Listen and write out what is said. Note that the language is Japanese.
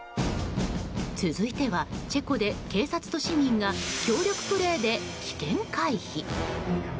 続いてはチェコで警察と市民が協力プレーで危険回避。